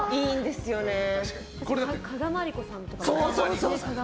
加賀まりこさんとか。